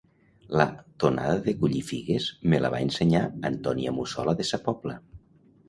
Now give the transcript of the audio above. La tonada de collir figues me la va ensenyar Antònia Mussola de sa Pobla